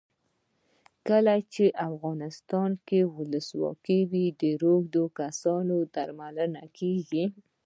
کله چې افغانستان کې ولسواکي وي روږدي کسان درملنه کیږي.